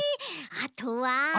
あとは？